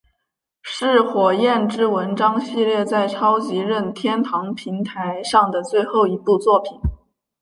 是火焰之纹章系列在超级任天堂平台上的最后一部作品。